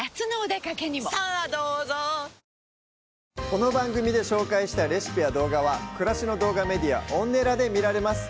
この番組で紹介したレシピや動画は暮らしの動画メディアＯｎｎｅｌａで見られます